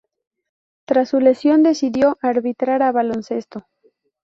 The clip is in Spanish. Tras su lesión decidió arbitrar a baloncesto.